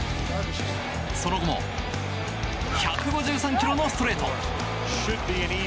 その後も１５３キロのストレート。